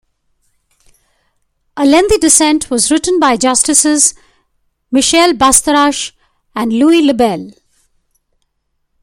A lengthy dissent was written by Justices Michel Bastarache and Louis LeBel.